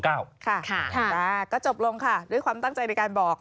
ก็จบลงค่ะด้วยความตั้งใจในการบอก